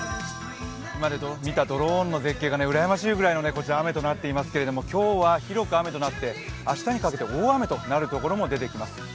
ドローンの絶景がうらやましいぐらいのこちら、雨となっていますけど今日は広く雨となって、明日にかけて大雨となる所も出てきます。